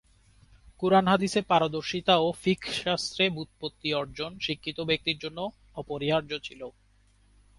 কুরআন-হাদীসে পারদর্শিতা ও ফিক্হশাস্ত্রে বুৎপত্তি অর্জন শিক্ষিত ব্যক্তির জন্য অপরিহার্য ছিল।